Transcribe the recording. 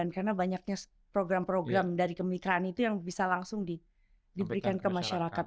karena banyaknya program program dari kemikiran itu yang bisa langsung diberikan ke masyarakat